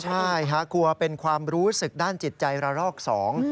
ใช่ฮะกลัวเป็นความรู้สึกด้านจิตใจระลอกสอง